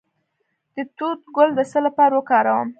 د توت ګل د څه لپاره وکاروم؟